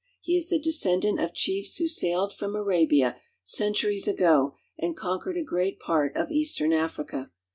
He is the descendant of ^chiefs who sailed from Arabia, centuries ago, and con ' quered a great part of eastern Africa.